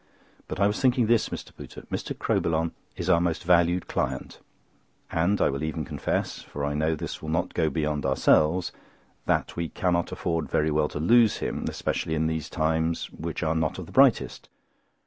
But I was thinking this, Mr. Pooter. Mr. Crowbillon is our most valued client, and I will even confess—for I know this will not go beyond ourselves—that we cannot afford very well to lose him, especially in these times, which are not of the brightest.